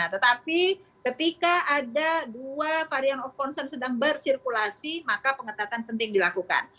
tetapi ketika ada dua varian of concern sedang bersirkulasi maka pengetatan penting dilakukan